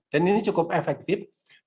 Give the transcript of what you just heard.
dan ini cukup efektif